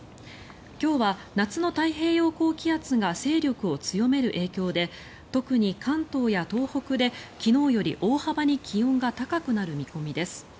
今日は夏の太平洋高気圧が勢力を強める影響で特に関東や東北で昨日より大幅に気温が高くなる見込みです。